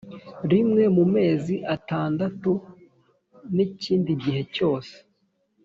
rimwe mu mezi atandatu n ikindi gihe cyose